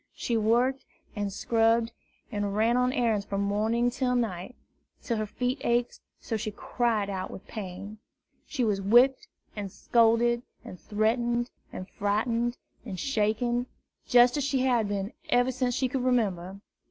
She worked and scrubbed and ran on errands from morning to night, till her feet ached so she cried out with the pain. She was whipped and scolded and threatened and frightened and shaken, just as she had been ever since she could remember.